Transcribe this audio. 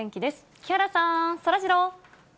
木原さん、そらジロー。